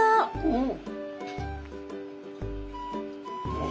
うん。